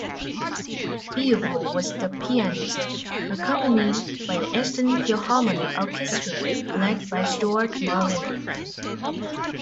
Biegel was the pianist, accompanied by the Eastern Philharmonic Orchestra led by Stuart Malina.